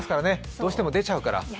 どうしても出ちゃうから。